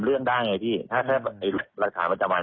เพราะว่าตอนแรกมีการพูดถึงนิติกรคือฝ่ายกฎหมาย